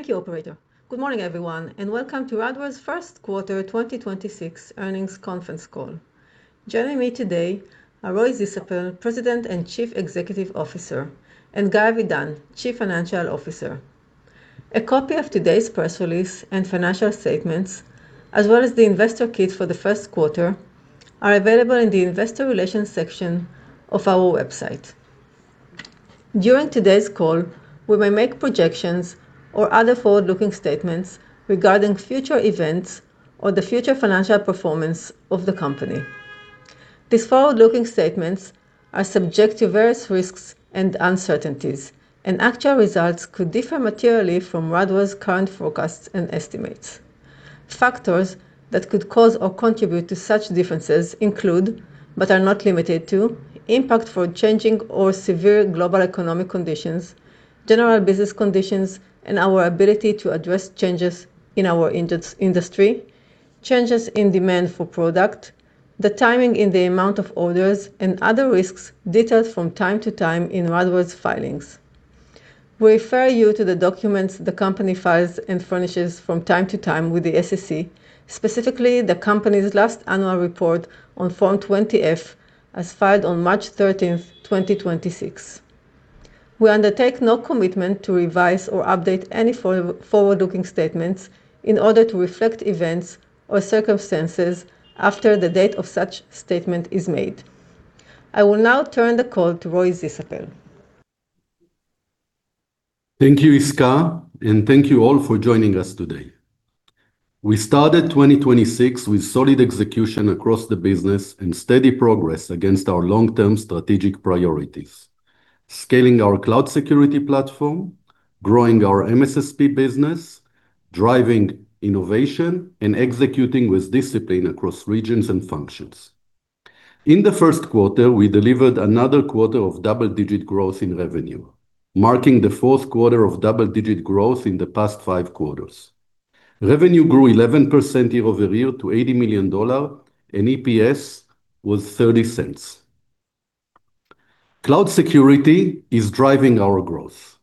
Thank you, operator. Good morning, everyone, and welcome to Radware's first quarter 2026 earnings conference call. Joining me today are Roy Zisapel, President and Chief Executive Officer, and Guy Avidan, Chief Financial Officer. A copy of today's press release and financial statements, as well as the investor kit for the first quarter, are available in the investor relations section of our website. During today's call, we may make projections or other forward-looking statements regarding future events or the future financial performance of the company. These forward-looking statements are subject to various risks and uncertainties. Actual results could differ materially from Radware's current forecasts and estimates. Factors that could cause or contribute to such differences include, but are not limited to, impact for changing or severe global economic conditions, general business conditions, and our ability to address changes in our industry, changes in demand for product, the timing in the amount of orders, and other risks detailed from time to time in Radware's filings. We refer you to the documents the company files and furnishes from time to time with the SEC, specifically the company's last annual report on Form 20-F as filed on March 13th, 2026. We undertake no commitment to revise or update any forward-looking statements in order to reflect events or circumstances after the date of such statement is made. I will now turn the call to Roy Zisapel. Thank you, Yisca, and thank you all for joining us today. We started 2026 with solid execution across the business and steady progress against our long-term strategic priorities, scaling our cloud security platform, growing our MSSP business, driving innovation, and executing with discipline across regions and functions. In the first quarter, we delivered another quarter of double-digit growth in revenue, marking the fourth quarter of double-digit growth in the past five quarters. Revenue grew 11% year-over-year to $80 million, and EPS was $0.30. Cloud security is driving our growth.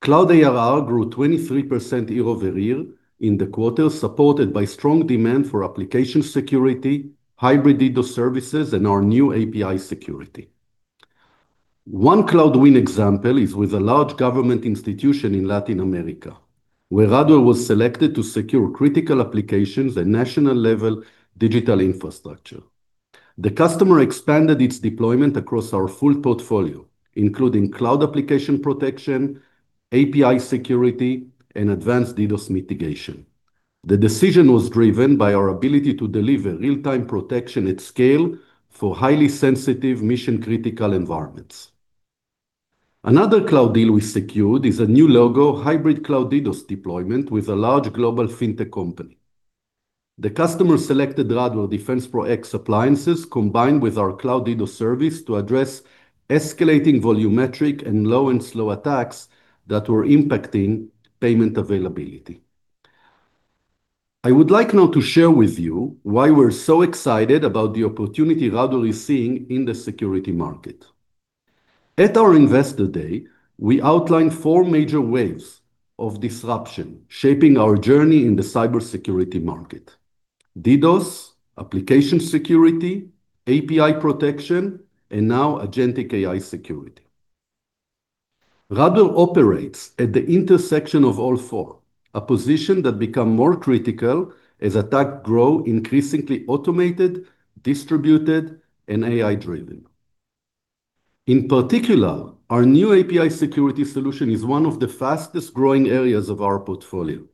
Cloud ARR grew 23% year-over-year in the quarter, supported by strong demand for application security, hybrid DDoS services, and our new API security. One cloud win example is with a large government institution in Latin America, where Radware was selected to secure critical applications at national level digital infrastructure. The customer expanded its deployment across our full portfolio, including Cloud Application Protection, API security, and advanced DDoS mitigation. The decision was driven by our ability to deliver real-time protection at scale for highly sensitive mission-critical environments. Another cloud deal we secured is a new logo hybrid cloud DDoS deployment with a large global fintech company. The customer selected Radware DefensePro X appliances combined with our cloud DDoS service to address escalating volumetric and low and slow attacks that were impacting payment availability. I would like now to share with you why we're so excited about the opportunity Radware is seeing in the security market. At our Investor Day, we outlined four major waves of disruption shaping our journey in the cybersecurity market: DDoS, application security, API protection, and now agentic AI security. Radware operates at the intersection of all four, a position that become more critical as attacks grow increasingly automated, distributed, and AI-driven. In particular, our new API security solution is one of the fastest-growing areas of our portfolio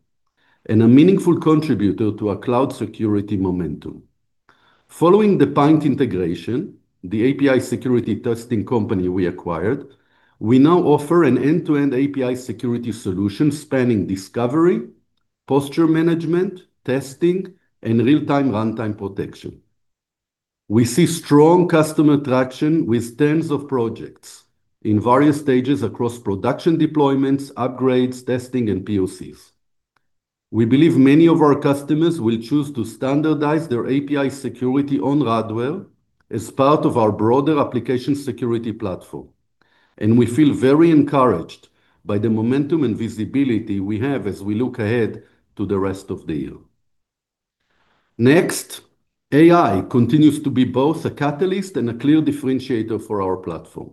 and a meaningful contributor to our cloud security momentum. Following the Pynt integration, the API security testing company we acquired, we now offer an end-to-end API security solution spanning discovery, posture management, testing, and real-time runtime protection. We see strong customer traction with tens of projects in various stages across production deployments, upgrades, testing, and POCs. We believe many of our customers will choose to standardize their API security on Radware as part of our broader application security platform, and we feel very encouraged by the momentum and visibility we have as we look ahead to the rest of the year. Next, AI continues to be both a catalyst and a clear differentiator for our platform.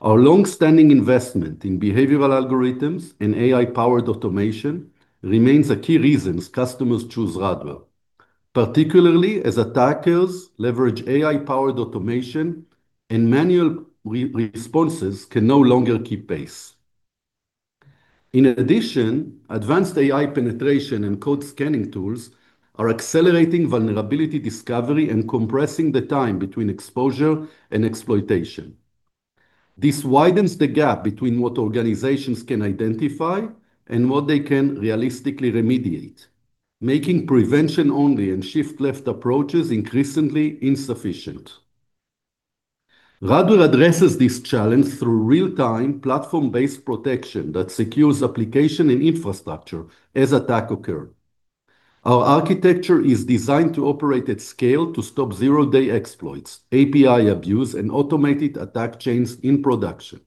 Our long-standing investment in behavioral algorithms and AI-powered automation remains a key reasons customers choose Radware, particularly as attackers leverage AI-powered automation and manual responses can no longer keep pace. In addition, advanced AI penetration and code scanning tools are accelerating vulnerability discovery and compressing the time between exposure and exploitation. This widens the gap between what organizations can identify and what they can realistically remediate, making prevention only and shift left approaches increasingly insufficient. Radware addresses this challenge through real-time platform-based protection that secures application and infrastructure as attack occur. Our architecture is designed to operate at scale to stop zero-day exploits, API abuse, and automated attack chains in production.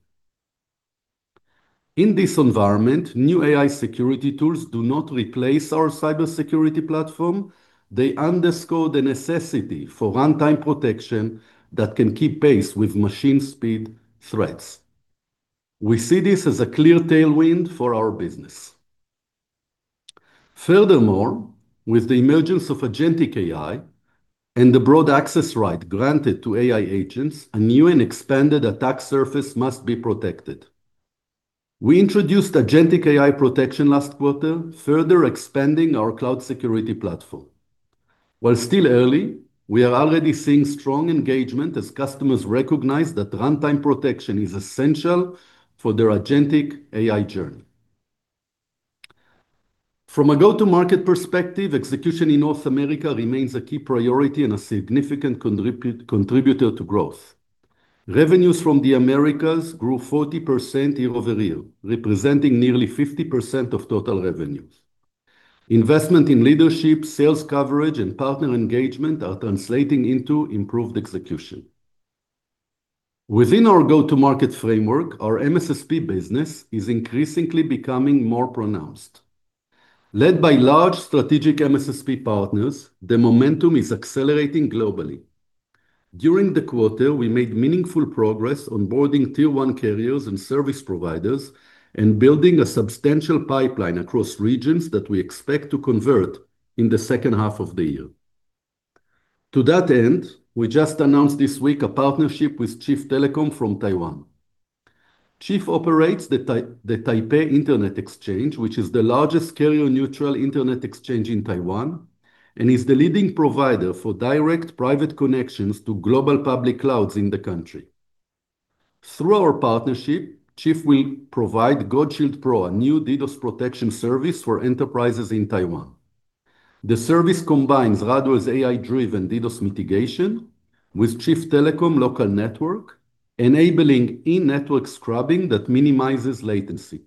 In this environment, new AI security tools do not replace our cybersecurity platform. They underscore the necessity for runtime protection that can keep pace with machine speed threats. We see this as a clear tailwind for our business. Furthermore, with the emergence of agentic AI and the broad access right granted to AI agents, a new and expanded attack surface must be protected. We introduced agentic AI protection last quarter, further expanding our cloud security platform. While still early, we are already seeing strong engagement as customers recognize that runtime protection is essential for their agentic AI journey. From a go-to-market perspective, execution in North America remains a key priority and a significant contributor to growth. Revenues from the Americas grew 40% year-over-year, representing nearly 50% of total revenues. Investment in leadership, sales coverage, and partner engagement are translating into improved execution. Within our go-to-market framework, our MSSP business is increasingly becoming more pronounced. Led by large strategic MSSP partners, the momentum is accelerating globally. During the quarter, we made meaningful progress onboarding tier one carriers and service providers and building a substantial pipeline across regions that we expect to convert in the second half of the year. To that end, we just announced this week a partnership with Chief Telecom from Taiwan. Chief operates the Taipei Internet Exchange, which is the largest carrier-neutral internet exchange in Taiwan and is the leading provider for direct private connections to global public clouds in the country. Through our partnership, Chief will provide GuardShield Pro, a new DDoS protection service for enterprises in Taiwan. The service combines Radware's AI-driven DDoS mitigation with Chief Telecom local network, enabling in-network scrubbing that minimizes latency.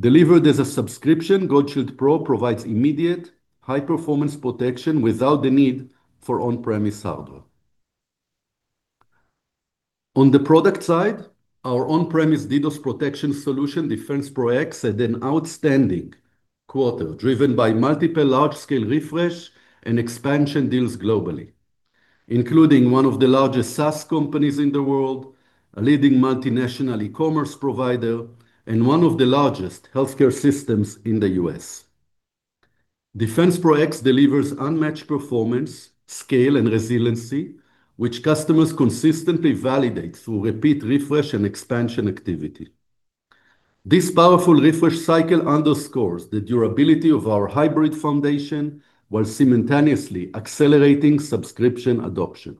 Delivered as a subscription, GuardShield Pro provides immediate high-performance protection without the need for on-premise hardware. On the product side, our on-premise DDoS protection solution, DefensePro X, had an outstanding quarter driven by multiple large-scale refresh and expansion deals globally, including one of the largest SaaS companies in the world, a leading multinational e-commerce provider, and one of the largest healthcare systems in the U.S. DefensePro X delivers unmatched performance, scale, and resiliency, which customers consistently validate through repeat refresh and expansion activity. This powerful refresh cycle underscores the durability of our hybrid foundation while simultaneously accelerating subscription adoption.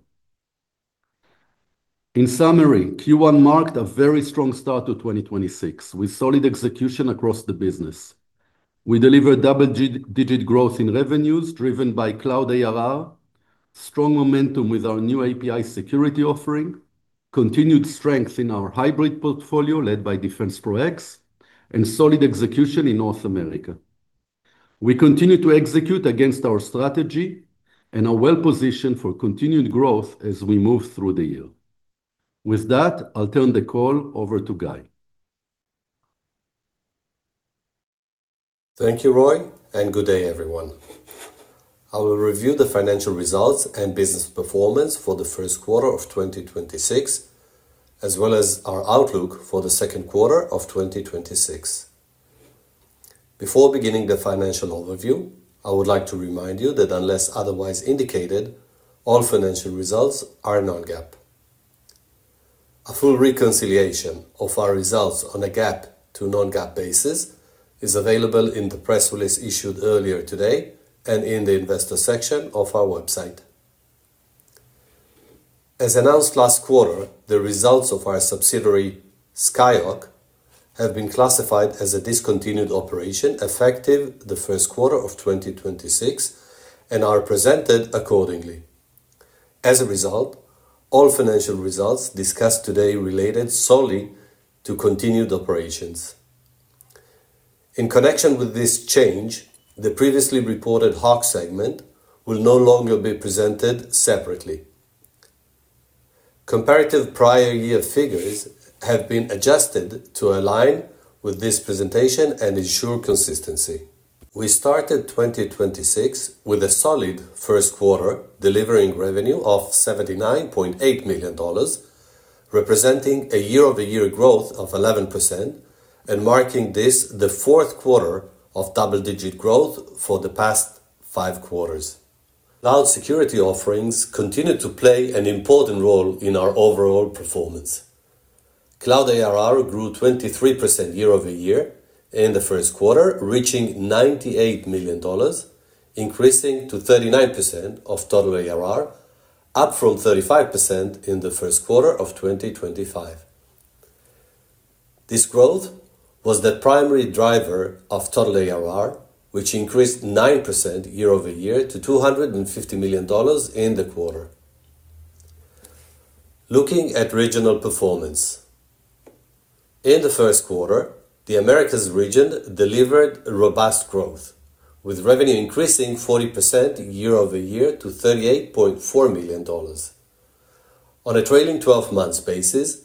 In summary, Q1 marked a very strong start to 2026, with solid execution across the business. We delivered double-digit growth in revenues driven by cloud ARR, strong momentum with our new API security offering, continued strength in our hybrid portfolio led by DefensePro X, and solid execution in North America. We continue to execute against our strategy and are well-positioned for continued growth as we move through the year. With that, I'll turn the call over to Guy Avidan. Thank you, Roy, and good day, everyone. I will review the financial results and business performance for the first quarter of 2026, as well as our outlook for the second quarter of 2026. Before beginning the financial overview, I would like to remind you that unless otherwise indicated, all financial results are non-GAAP. A full reconciliation of our results on a GAAP to non-GAAP basis is available in the press release issued earlier today and in the investor section of our website. As announced last quarter, the results of our subsidiary, SkyHawk, have been classified as a discontinued operation effective the first quarter of 2026 and are presented accordingly. As a result, all financial results discussed today related solely to continued operations. In connection with this change, the previously reported Hawk segment will no longer be presented separately. Comparative prior year figures have been adjusted to align with this presentation and ensure consistency. We started 2026 with a solid first quarter, delivering revenue of $79.8 million, representing a year-over-year growth of 11% and marking this the fourth quarter of double-digit growth for the past five quarters. Cloud security offerings continued to play an important role in our overall performance. Cloud ARR grew 23% year-over-year in the first quarter, reaching $98 million, increasing to 39% of total ARR, up from 35% in the first quarter of 2025. This growth was the primary driver of total ARR, which increased 9% year-over-year to $250 million in the quarter. Looking at regional performance. In the first quarter, the Americas region delivered robust growth, with revenue increasing 40% year-over-year to $38.4 million. On a trailing twelve-month basis,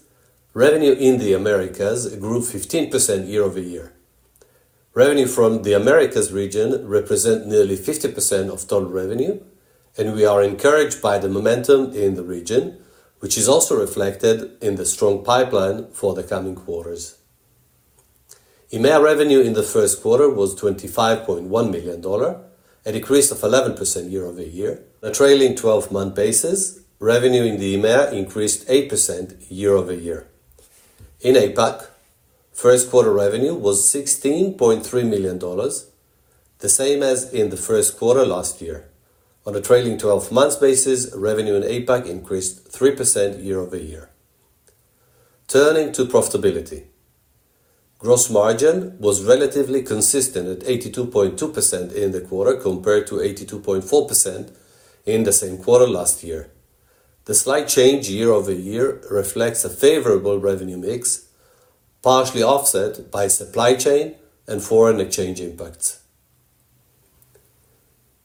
revenue in the Americas grew 15% year-over-year. Revenue from the Americas region represent nearly 50% of total revenue, and we are encouraged by the momentum in the region, which is also reflected in the strong pipeline for the coming quarters. EMEA revenue in the first quarter was $25.1 million, a decrease of 11% year-over-year. On a trailing 12-month basis, revenue in the EMEA increased 8% year-over-year. In APAC, first quarter revenue was $16.3 million, the same as in the first quarter last year. On a trailing 12-month basis, revenue in APAC increased 3% year-over-year. Turning to profitability. Gross margin was relatively consistent at 82.2% in the quarter compared to 82.4% in the same quarter last year. The slight change year-over-year reflects a favorable revenue mix, partially offset by supply chain and foreign exchange impacts.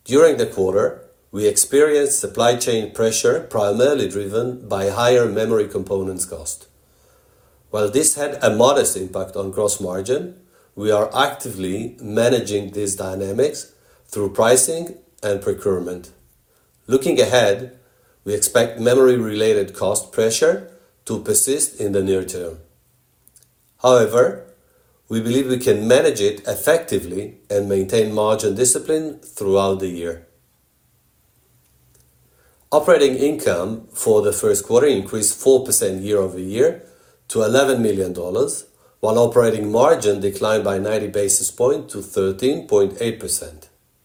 During the quarter, we experienced supply chain pressure primarily driven by higher memory components cost. While this had a modest impact on gross margin, we are actively managing these dynamics through pricing and procurement. Looking ahead, we expect memory-related cost pressure to persist in the near term. However, we believe we can manage it effectively and maintain margin discipline throughout the year. Operating income for the first quarter increased 4% year-over-year to $11 million, while operating margin declined by 90 basis points to 13.8%.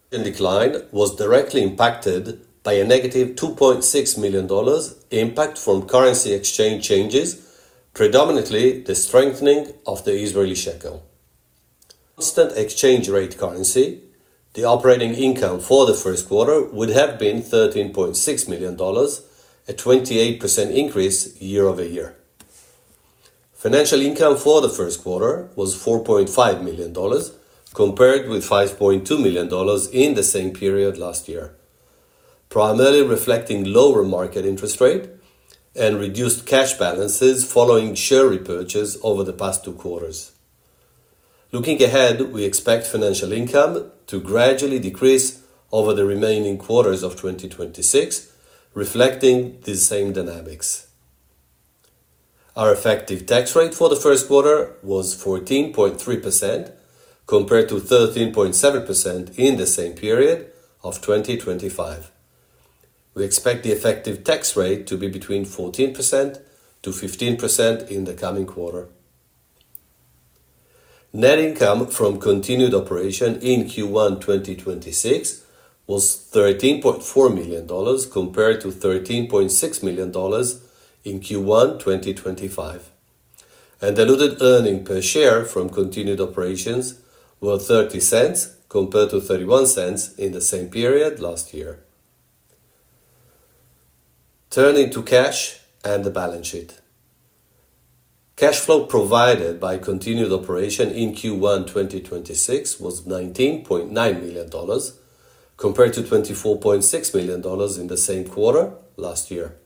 The margin decline was directly impacted by -$2.6 million impact from currency exchange changes, predominantly the strengthening of the Israeli shekel. Constant exchange rate currency, the operating income for the first quarter would have been $13.6 million, a 28% increase year-over-year. Financial income for the first quarter was $4.5 million, compared with $5.2 million in the same period last year, primarily reflecting lower market interest rate and reduced cash balances following share repurchase over the past two quarters. Looking ahead, we expect financial income to gradually decrease over the remaining quarters of 2026, reflecting the same dynamics. Our effective tax rate for the first quarter was 14.3%, compared to 13.7% in the same period of 2025. We expect the effective tax rate to be between 14%-15% in the coming quarter. Net income from continued operation in Q1 2026 was $13.4 million compared to $13.6 million in Q1 2025. Diluted earnings per share from continued operations were $0.30 compared to $0.31 in the same period last year. Turning to cash and the balance sheet. Cash flow provided by continued operation in Q1 2026 was $19.9 million compared to $24.6 million in the same quarter last year.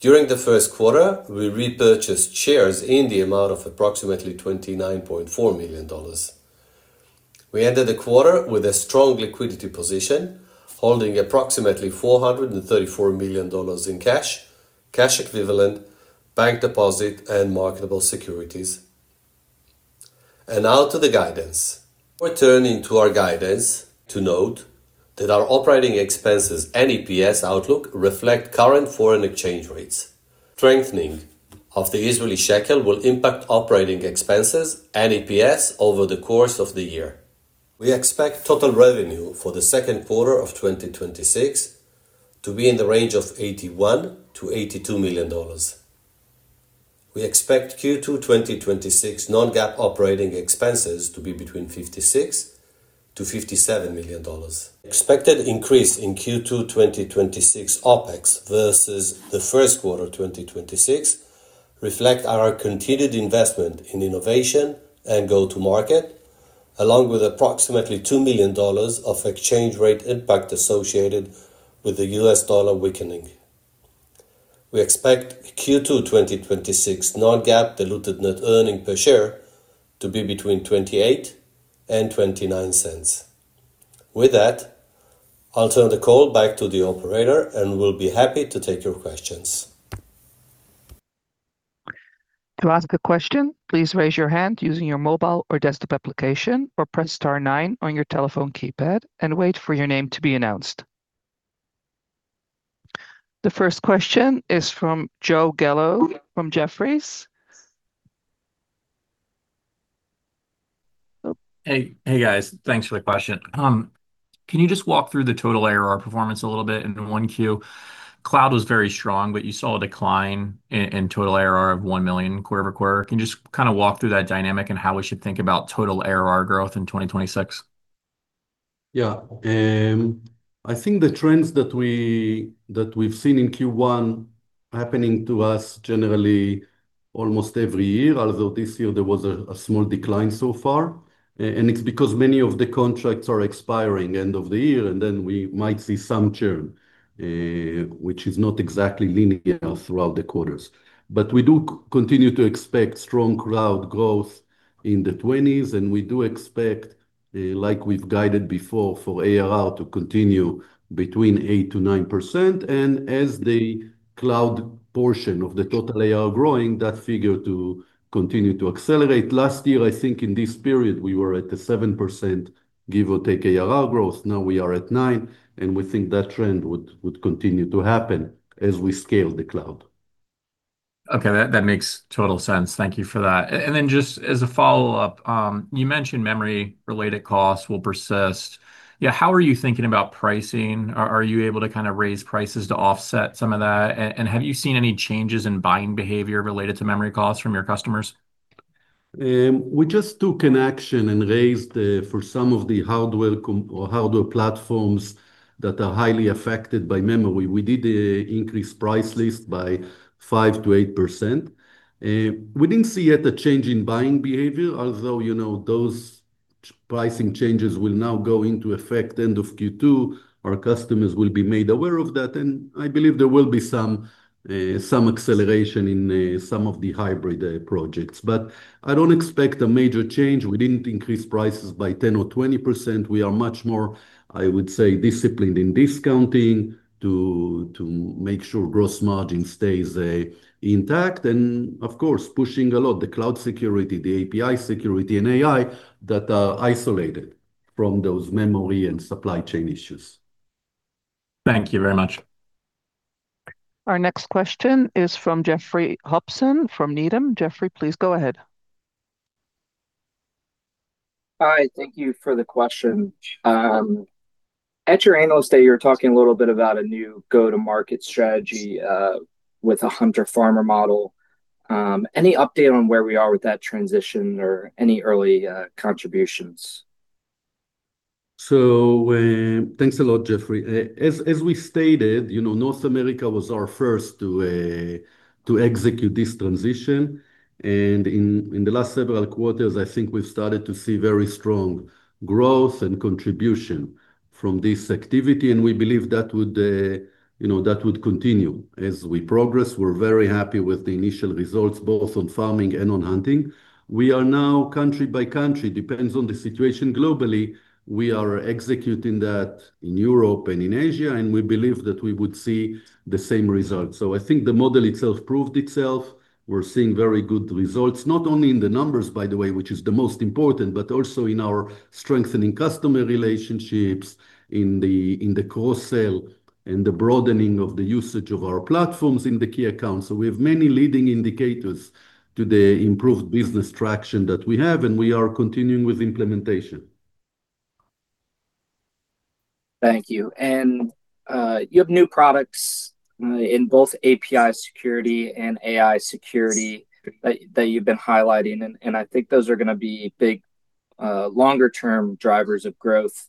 During the first quarter, we repurchased shares in the amount of approximately $29.4 million. We ended the quarter with a strong liquidity position, holding approximately $434 million in cash equivalents, bank deposits, and marketable securities. Now to the guidance. Before turning to our guidance to note that our operating expenses and EPS outlook reflect current foreign exchange rates. Strengthening of the Israeli shekel will impact operating expenses and EPS over the course of the year. We expect total revenue for the second quarter of 2026 to be in the range of $81 million-$82 million. We expect Q2 2026 non-GAAP operating expenses to be between $56 million-$57 million. The expected increase in Q2 2026 OpEx versus the first quarter 2026 reflect our continued investment in innovation and go-to-market, along with approximately $2 million of exchange rate impact associated with the US dollar weakening. We expect Q2 2026 non-GAAP diluted net earning per share to be between $0.28 and $0.29. With that, I'll turn the call back to the operator, and we'll be happy to take your questions. To ask a question, please raise your hand using your mobile or desktop application or press star nine on your telephone keypad and wait for your name to be announced. The first question is from Joe Gallo from Jefferies. Hey, hey guys, thanks for the question. Can you just walk through the total ARR performance a little bit in 1Q? Cloud was very strong, but you saw a decline in total ARR of $1 million quarter-over-quarter. Can you just kinda walk through that dynamic and how we should think about total ARR growth in 2026? Yeah. I think the trends that we've seen in Q1 happening to us generally almost every year, although this year there was a small decline so far. It's because many of the contracts are expiring end of the year, and then we might see some churn, which is not exactly linear throughout the quarters. We do continue to expect strong cloud growth in the 20s, and we do expect, like we've guided before, for ARR to continue between 8%-9%. As the cloud portion of the total ARR growing, that figure to continue to accelerate. Last year, I think in this period, we were at the 7% give or take ARR growth. Now we are at 9%, we think that trend would continue to happen as we scale the cloud. Okay. That makes total sense. Thank you for that. Then just as a follow-up, you mentioned memory related costs will persist. How are you thinking about pricing? Are you able to kinda raise prices to offset some of that? Have you seen any changes in buying behavior related to memory costs from your customers? We just took an action and raised for some of the hardware platforms that are highly affected by memory. We did a increased price list by 5%-8%. We didn't see yet the change in buying behavior, although, you know, those pricing changes will now go into effect end of Q2. Our customers will be made aware of that, and I believe there will be some acceleration in some of the hybrid projects. I don't expect a major change. We didn't increase prices by 10% or 20%. We are much more, I would say, disciplined in discounting to make sure gross margin stays intact, and of course, pushing a lot the cloud security, the API security, and AI that are isolated from those memory and supply chain issues. Thank you very much. Our next question is from Jeffrey Hopson from Needham. Alex, please go ahead. Hi. Thank you for the question. At your analyst day, you were talking a little bit about a new go-to market strategy, with a hunter/farmer model. Any update on where we are with that transition or any early contributions? Thanks a lot, Jeffrey. As we stated, you know, North America was our first to execute this transition. And in the last several quarters, I think we've started to see very strong growth and contribution from this activity, and we believe that would, you know, that would continue as we progress. We're very happy with the initial results, both on farming and on hunting. We are now country by country, depends on the situation globally. We are executing that in Europe and in Asia, and we believe that we would see the same results. I think the model itself proved itself. We're seeing very good results, not only in the numbers, by the way, which is the most important, but also in our strengthening customer relationships in the, in the cross-sell, and the broadening of the usage of our platforms in the key accounts. We have many leading indicators to the improved business traction that we have, and we are continuing with implementation. Thank you. You have new products in both API security and AI security that you've been highlighting, and I think those are gonna be big longer term drivers of growth.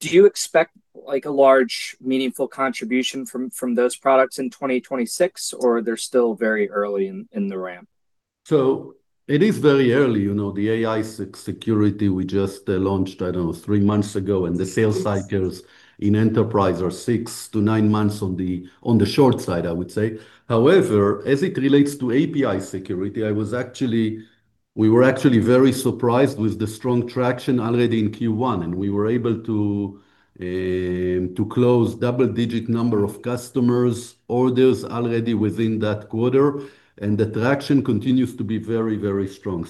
Do you expect like a large meaningful contribution from those products in 2026, or they're still very early in the ramp? It is very early. You know, the AI security we just launched, I don't know, three months ago, and the sales cycles in enterprise are six to nine months on the short side, I would say. However, as it relates to API security, we were actually very surprised with the strong traction already in Q1, and we were able to close double-digit number of customers orders already within that quarter, and the traction continues to be very, very strong.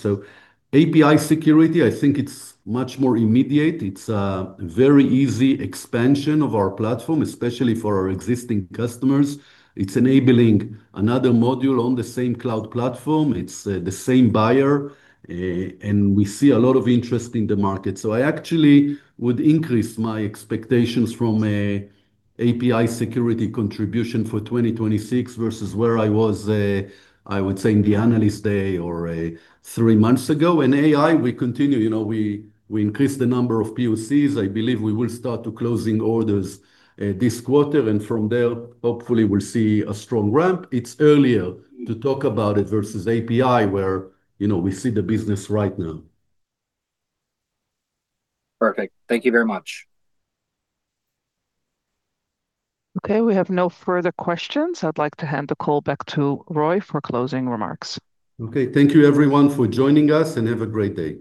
API security, I think it's much more immediate. It's a very easy expansion of our platform, especially for our existing customers. It's enabling another module on the same cloud platform. It's the same buyer. We see a lot of interest in the market. I actually would increase my expectations from a API security contribution for 2026 versus where I was, I would say in the analyst day or three months ago. In AI, we continue. You know, we increase the number of POCs. I believe we will start to closing orders this quarter. From there, hopefully we will see a strong ramp. It is earlier to talk about it versus API where, you know, we see the business right now. Perfect. Thank you very much. Okay. We have no further questions. I'd like to hand the call back to Roy for closing remarks. Okay. Thank you everyone for joining us, and have a great day.